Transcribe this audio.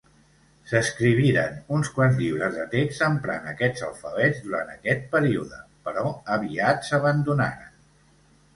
S'escriviren uns quants llibres de text emprant aquests alfabets durant aquest període, però aviat s'abandonaren.